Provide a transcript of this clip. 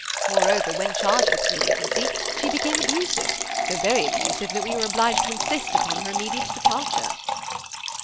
Moreover, when charged with the delinquency, she became abusive, so very abusive that we were obliged to insist upon her immediate departure."